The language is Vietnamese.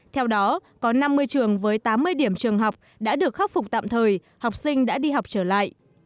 theo đó có năm mươi trường với tám mươi điểm trường học đã được khắc phục tạm thời học sinh đã đi học trở lại